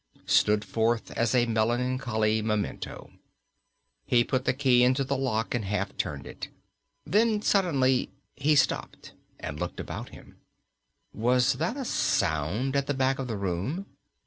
stood forth as a melancholy memento. He put the key into the lock and half turned it. Then, suddenly, he stopped and looked about him. Was that a sound at the back of the room?